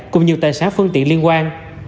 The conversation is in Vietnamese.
cùng nhiều tài xá phương tiện liên quan